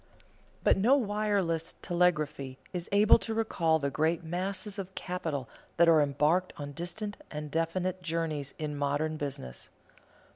But no wireless telegraphy is able to recall the great masses of capital that are embarked on distant and definite journeys in modern business.